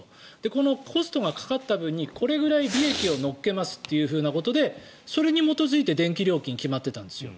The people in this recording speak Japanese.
このコストがかかった分にこれぐらい利益を乗っけますとそれに基づいて電気料金が決まっていたんですよ。